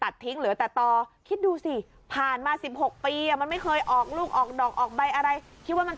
จนมาปีนี้เฮ้ยลูกมะม่วง